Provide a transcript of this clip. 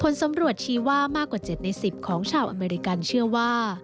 ผลสำรวจชี้ว่ามากกว่า๗ใน๑๐ของชาวอเมริกันเชื่อว่า